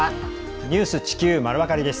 「ニュース地球まるわかり」です。